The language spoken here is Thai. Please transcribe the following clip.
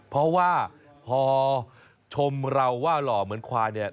เพราะว่าพอชมเราว่าหล่อเหมือนควายเนี่ย